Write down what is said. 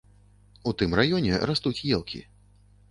У тым раёне растуць елкі.